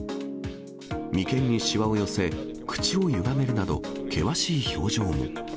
眉間にしわを寄せ、口をゆがめるなど、険しい表情も。